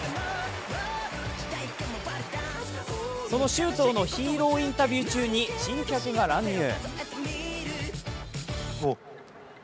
その周東のヒーローインタビュー中に珍客が乱入。